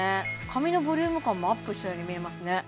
髪のボリューム感もアップしたように見えますね